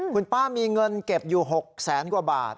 คุณป้ามีเงินเก็บอยู่๖แสนกว่าบาท